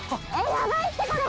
ヤバいってこれ。